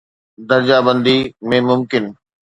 درجه بندي ۾ ممڪن